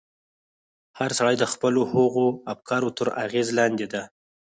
هر سړی د خپلو هغو افکارو تر اغېز لاندې دی.